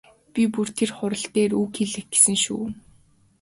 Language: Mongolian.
Би бүр тэр хурал дээр үг хэлэх гэсэн шүү.